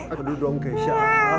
aduh dong kesha